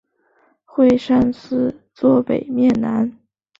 会善寺坐北面南。